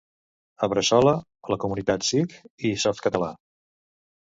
A Bressola, la comunitat Sikh i Softcatalà.